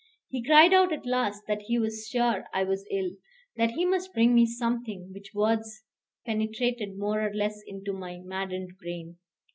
He cried out at last that he was sure I was ill, that he must bring me something; which words penetrated more or less into my maddened brain.